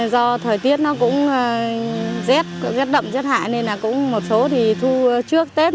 do thời tiết nó cũng rét đậm rét hại nên là cũng một số thì thu trước tết